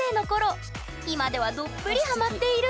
今ではどっぷりハマっている！